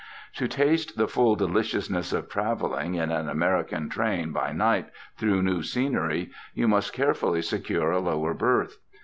To taste the full deliciousness of travelling in an American train by night through new scenery, you must carefully secure a lower berth.